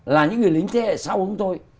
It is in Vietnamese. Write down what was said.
là những người lính thế hệ sau chúng tôi